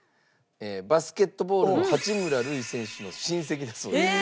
バスケットボールの八村塁選手の親戚だそうです。